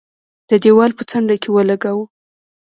د دېوال په څنډه کې ولګاوه.